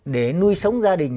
để nuôi sống gia đình